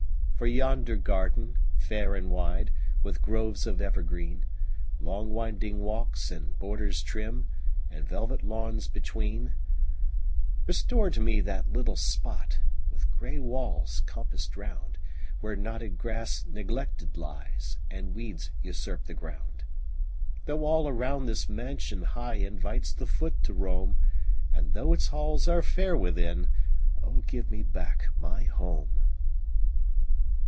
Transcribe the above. For yonder garden, fair and wide, With groves of evergreen, Long winding walks, and borders trim, And velvet lawns between; Restore to me that little spot, With gray walls compassed round, Where knotted grass neglected lies, And weeds usurp the ground. Though all around this mansion high Invites the foot to roam, And though its halls are fair within Oh, give me back my HOME!